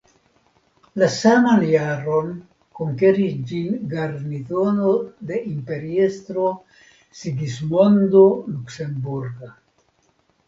La saman jaron konkeris ĝin garnizono de imperiestro Sigismondo Luksemburga.